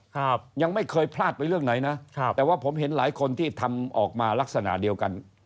ครับยังไม่เคยพลาดไปเรื่องไหนนะครับแต่ว่าผมเห็นหลายคนที่ทำออกมาลักษณะเดียวกัน